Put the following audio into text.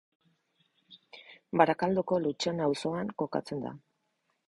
Barakaldoko Lutxana auzoan kokatzen da.